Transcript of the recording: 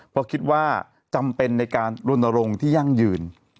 เพราะคิดว่าจำเป็นในการรณรงค์ที่ยั่งยืน